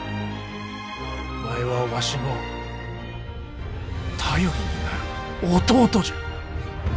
お前はわしの頼りになる弟じゃ。